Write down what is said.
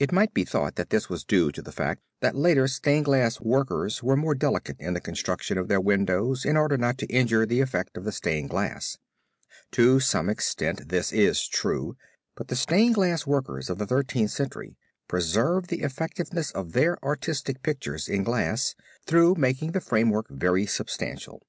It might be thought that this was due to the fact that later stained glass workers were more delicate in the construction of their windows in order not to injure the effect of the stained glass. To some extent this is true, but the stained glass workers of the Thirteenth Century preserve the effectiveness of their artistic pictures in glass, though making the frame work very substantial.